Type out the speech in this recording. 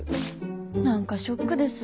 なんかショックです。